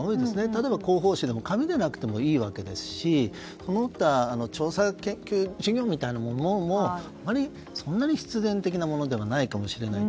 例えば広報紙でも紙でなくてもいいわけですしその他調査研究事業のようなものもそんなに必然的なものではないかもしれない。